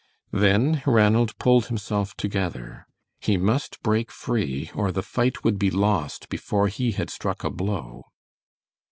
Then Ranald pulled himself together. He must break free or the fight would be lost before he had struck a blow.